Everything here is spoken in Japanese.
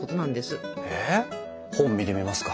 え本見てみますか？